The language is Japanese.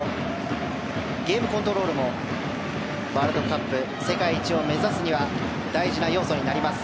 この後半終盤のゲームコントロールもワールドカップ世界一を目指すには大事な要素になります。